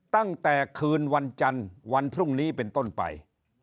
ตั้งแต่คืนวันจันทร์วันพรุ่งนี้เป็นต้นไป